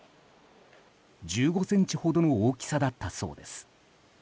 １５ｃｍほどの大きさだったそうです。